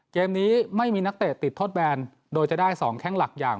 เกมนี้ไม่มีนักเตะติดทดแบนโดยจะได้๒แข้งหลักอย่าง